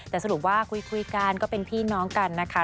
แต่สรุปว่าคุยกันก็เป็นพี่น้องกันนะคะ